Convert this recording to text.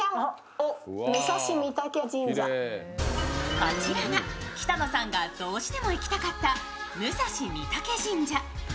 こちらが北乃さんがどうしても行きたかった武蔵御嶽神社。